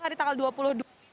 hari tanggal dua puluh dua